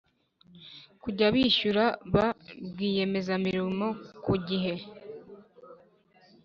Kujya bishyura ba Rwiyemezamirimo ku gihe